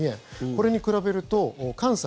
これに比べると関西